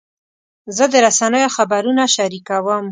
زه د رسنیو خبرونه شریکوم.